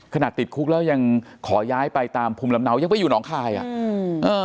ขนาดติดคุกแล้วยังขอย้ายไปตามภูมิลำเนายังไปอยู่น้องคลายอ่ะ